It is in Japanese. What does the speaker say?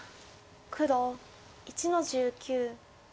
黒１の十九取り。